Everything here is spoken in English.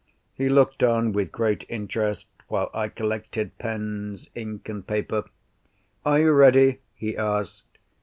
He looked on with great interest while I collected pens, ink, and paper. "Are you ready?" he asked.